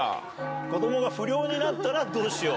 子どもが不良になったらどうしよう。